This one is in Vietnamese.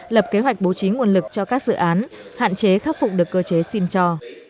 lập kế hoạch bố trí nguồn lực cho các dự án hạn chế khắc phục được cơ chế xin cho